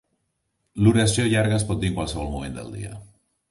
L'oració llarga es pot dir en qualsevol moment del dia.